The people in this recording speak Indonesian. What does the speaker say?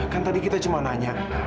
kan tadi kita cuma nanya